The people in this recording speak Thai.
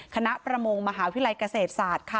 ประมงมหาวิทยาลัยเกษตรศาสตร์ค่ะ